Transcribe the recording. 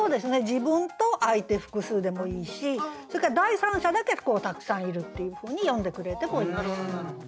自分と相手複数でもいいしそれから第３者だけたくさんいるっていうふうに詠んでくれてもいいです。